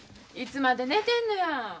いつまで寝てんのや。